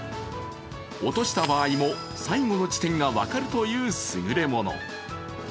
落とした場合も、最後の地点が分かるという、すぐれもの。